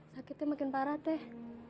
sakitnya makin parah teh